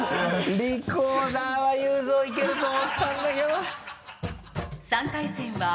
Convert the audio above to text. リコーダーは雄三いけると思ったんだけど。